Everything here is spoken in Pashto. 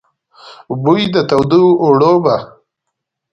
بوی د تودو اوړو به،